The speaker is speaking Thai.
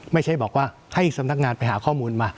ไม่ใช่บอกว่าให้สำนักงานไปหาข้อมูลมา